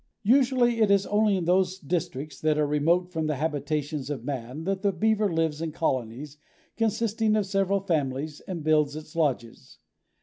Usually it is only in those districts that are remote from the habitations of man that the Beaver lives in colonies, consisting of several families, and builds its "lodges."